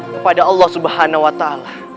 kepada allah subhanahu wa ta'ala